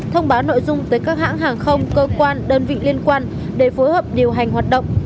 thông báo nội dung tới các hãng hàng không cơ quan đơn vị liên quan để phối hợp điều hành hoạt động